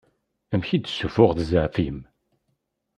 Amek i d-ssufuɣeḍ zɛaf-im?